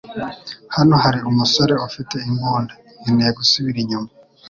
Hano hari umusore ufite imbunda. Nkeneye gusubira inyuma.